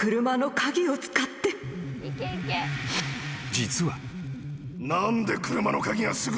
［実は］